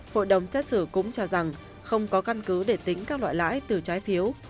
hội đồng xét xử cũng cho rằng không có căn cứ để tính các loại lãi từ trái phiếu